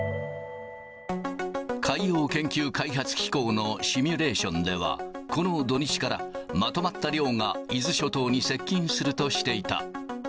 海洋研究開発機構のシミュレーションでは、この土日からまとまった量が伊豆諸島に接近するとしていた。